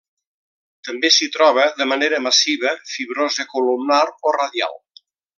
També s'hi troba de manera massiva, fibrosa columnar o radial.